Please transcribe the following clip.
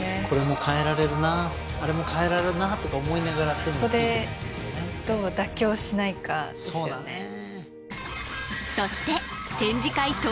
これも変えられるなあれも変えられるなとか思いながらそこでどう妥協しないかですよね